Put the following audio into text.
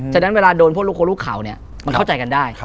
ฉะนั้นเวลาโดนพวกเขาเขาจะเข้าใจกันได้